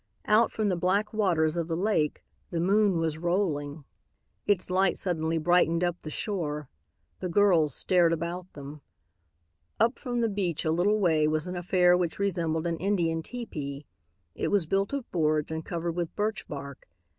Out from the black waters of the lake the moon was rolling. Its light suddenly brightened up the shore. The girls stared about them. Up from the beach a little way was an affair which resembled an Indian tepee. It was built of boards and covered with birch bark.